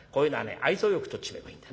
愛想よく通っちめえばいいんだな。